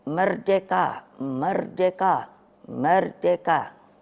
merdeka merdeka merdeka